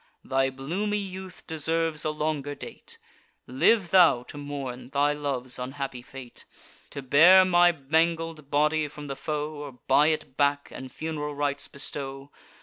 Thy bloomy youth deserves a longer date: Live thou to mourn thy love's unhappy fate; To bear my mangled body from the foe, Or buy it back, and fun'ral rites bestow.